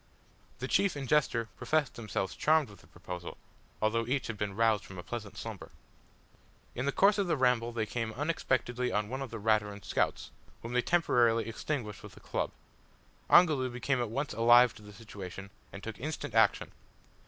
The chief and jester professed themselves charmed with the proposal, although each had been roused from a pleasant slumber. In the course of the ramble they came unexpectedly on one of the Raturan scouts, whom they temporarily extinguished with a club. Ongoloo became at once alive to the situation, and took instant action.